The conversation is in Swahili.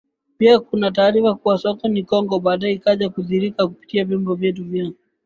pia kuna taarifa kuwa soko ni KongoBaadae ikaja kudhihirika kupitia vyombo vyetu vya